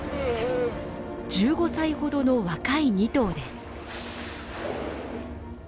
１５歳ほどの若い２頭です。